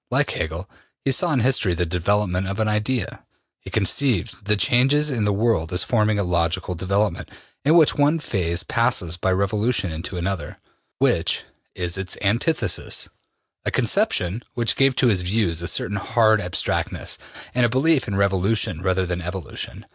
Like Hegel, he saw in history the development of an Idea. He conceived the changes in the world as forming a logical development, in which one phase passes by revolution into another, which is its antithesis a conception which gave to his views a certain hard abstractness, and a belief in revolution rather than evolution.